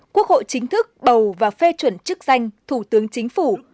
quốc hội chính thức bầu và phê chuẩn chức danh thủ tướng chính phủ